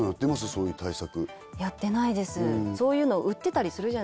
そういう対策